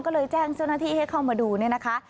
ก็เลยแจ้งเจ้าหน้าที่ให้เข้ามาดูเนี่ยนะคะ